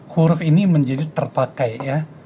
huruf ini menjadi terpakai ya